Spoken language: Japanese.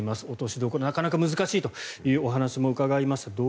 落としどころはなかなか難しいというお話を伺いました。